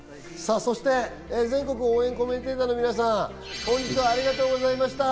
そして全国応援コメンテーターの皆さん、本日はありがとうございました。